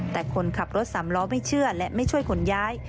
แต่คนขับรถสามล้อไม่เชื่อและไม่ช่วยขนย้าย